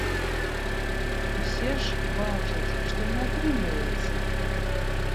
Усе ж бачаць, што не атрымліваецца!